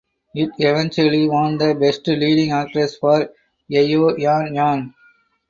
It eventually won the Best Leading Actress for Yeo Yann Yann.